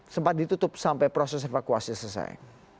sempat ditutup sampai proses evakuasi selesai